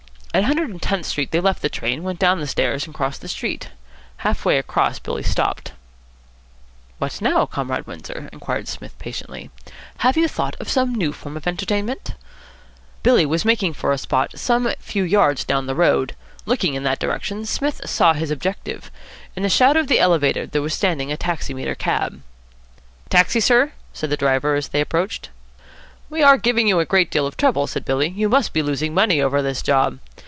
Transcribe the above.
At Hundred and Tenth Street they left the train, went down the stairs, and crossed the street. Half way across Billy stopped. "What now, Comrade Windsor?" inquired Psmith patiently. "Have you thought of some new form of entertainment?" Billy was making for a spot some few yards down the road. Looking in that direction, Psmith saw his objective. In the shadow of the Elevated there was standing a taximeter cab. "Taxi, sir?" said the driver, as they approached. "We are giving you a great deal of trouble," said Billy. "You must be losing money over this job.